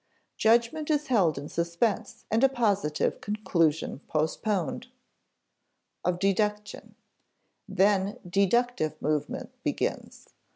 Judgment is held in suspense and a positive conclusion postponed. [Sidenote: of deduction] Then deductive movement begins.